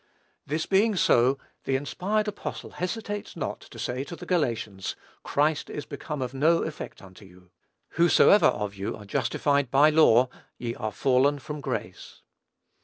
This being so, the inspired apostle hesitates not to say to the Galatians, "Christ is become of no effect unto you; whosoever of you are justified by law ([Greek: en nomô]), ye are fallen from grace."